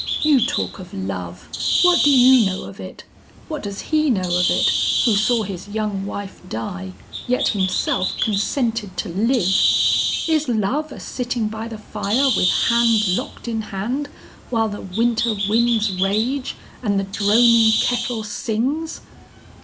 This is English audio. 'You talk of love, what do you know of it, what does he know of it, who saw his young wife die, yet himself consented to live? Is love a sitting by the fire with hand locked in hand while the winter winds rage and the droning kettle sings?